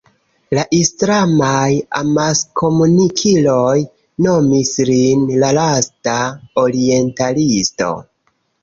La islamaj amaskomunikiloj nomis lin "la lasta orientalisto".